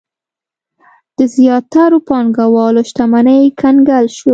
د زیاترو پانګوالو شتمنۍ کنګل شوې.